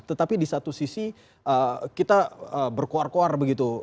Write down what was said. tetapi di satu sisi kita berkuar kuar begitu